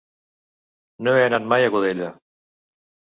No he anat mai a Godella.